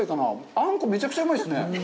あんこ、めちゃくちゃうまいですね。